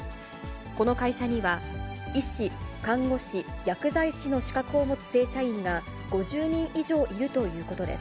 この会社には医師、看護師、薬剤師の資格を持つ正社員が５０人以上いるということです。